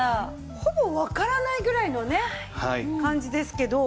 ほぼわからないぐらいのね感じですけど。